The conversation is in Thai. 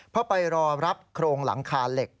เพื่อไปรอรับโครงหลังคาเหล็ก